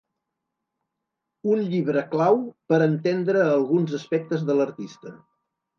Un llibre clau per entendre alguns aspectes de l’artista.